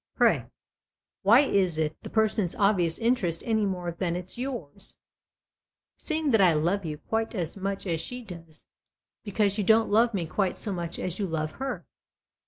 " Pray, why is it the person's obvious interest any more than it's yours ?"" Seeing that I love you quite as much as she does ? Because you don't love me quite so much as you love her.